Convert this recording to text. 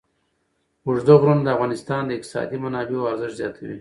اوږده غرونه د افغانستان د اقتصادي منابعو ارزښت زیاتوي.